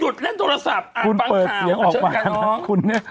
หยุดเล่นโทรศัพท์อ่านข่าวคุณเปิดเสียงออกมานะคุณเนี่ย